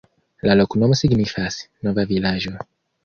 La loknomo signifas: nova vilaĝo.